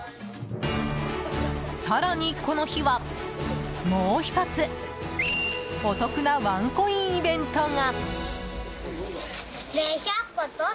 更に、この日はもう１つお得意なワンコインイベントが。